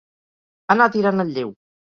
Anar tirant el lleu.